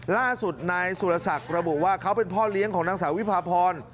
ล่าสุดนายสุรศักดิ์ระบุว่าเขาเป็นพ่อเลี้ยงของนางสาววิพาพร